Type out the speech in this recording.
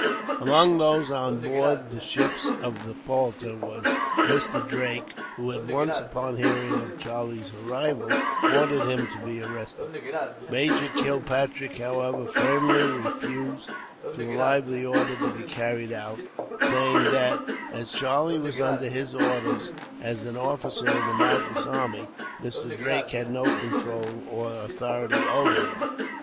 Among those on board the ships at Falta was Mr. Drake, who at once, upon hearing of Charlie's arrival, ordered him to be arrested. Major Kilpatrick, however, firmly refused to allow the order to be carried out, saying that, as Charlie was under his orders as an officer in the Madras army, Mr. Drake had no control or authority over him.